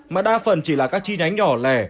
mà đa phần chỉ là các chi nhánh nhỏ lẻ